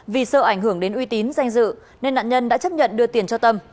vì sợ ảnh hưởng đến uy tín danh dự nên nạn nhân đã chấp nhận đưa tiền cho tâm